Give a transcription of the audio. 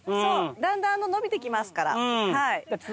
だんだん伸びてきますから。